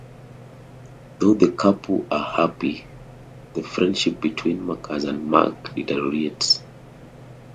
Though the couple are happy, the friendship between Marcus and Mac deteriorates.